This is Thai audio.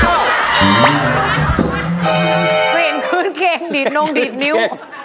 ก็เห็นพื้นเครงดีดนงดีดนิ้ว